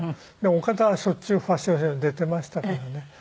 岡田はしょっちゅうファッションショーに出てましたからね。